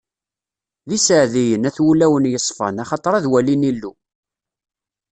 D iseɛdiyen, at wulawen yeṣfan, axaṭer ad walin Illu!